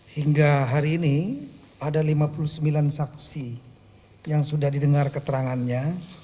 hingga hari ini ada lima puluh sembilan saksi yang sudah didengar keterangannya